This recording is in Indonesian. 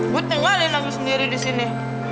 gue tinggalin aku sendiri di sini